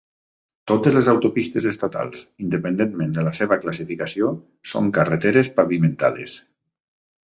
Totes les autopistes estatals, independentment de la seva classificació, són carreteres pavimentades.